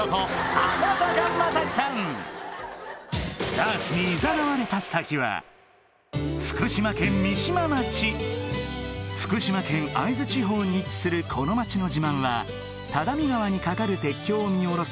ダーツにいざなわれた先は福島県会津地方に位置するこの町の自慢は只見川に架かる鉄橋を見下ろす